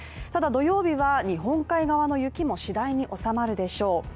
ただ土曜日は日本海側の雪も次第に収まるでしょう。